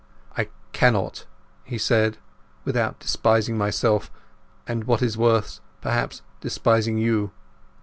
"I cannot" he said, "without despising myself, and what is worse, perhaps, despising you.